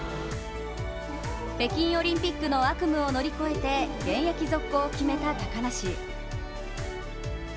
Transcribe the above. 北京オリンピックの悪夢を乗り越えて現役続行を決めた高梨。